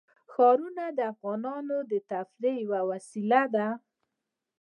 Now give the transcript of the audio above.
ښارونه د افغانانو د تفریح یوه وسیله ده.